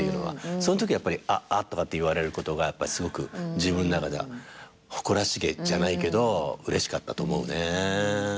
そんときやっぱり「あっ！あっ！」とかって言われることがすごく自分の中では誇らしげじゃないけどうれしかったと思うね。